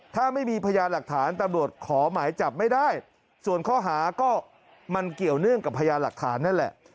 ถ้าไม่มีพยานหลักฐานตำรวจขอหมายจับไม่ได้ส่วนข้อหาก็มันเกี่ยวเนื่องกับพยานหลักฐานนั่นแหละ